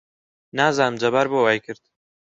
نازانم جەبار بۆ وای کرد.